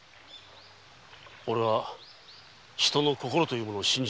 おれは人の心というものを信じている。